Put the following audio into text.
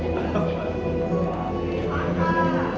แบบเยี่ยม